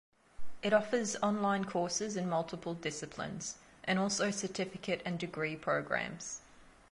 It offers online courses in multiple disciplines and also certificate and degree programs.